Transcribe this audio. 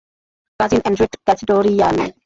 Cousin Andrew ক্যাচাডোরিয়ান।